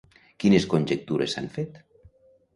Quines conjectures s'han fet?